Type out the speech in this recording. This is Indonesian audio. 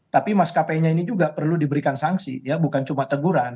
tapi mas kp nya ini juga perlu diberikan sanksi ya bukan cuma teguran